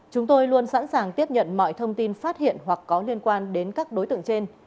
chúng tôi luôn sẵn sàng tiếp nhận mọi thông tin phát hiện hoặc có liên quan đến các đối tượng trên